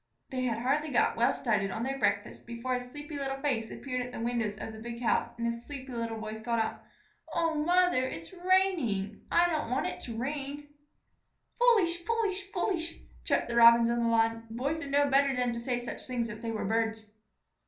They had hardly got well started on their breakfast before a sleepy little face appeared at the window of the big house and a sleepy little voice called out: "O Mother, it is raining! I didn't want it to rain." "Foolish! Foolish! Foolish!" chirped the Robins on the lawn. "Boys would know better than to say such things if they were birds."